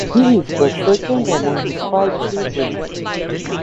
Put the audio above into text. He is the second among his five siblings.